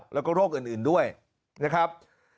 แล้วก็โรคอื่นด้วยนะครับ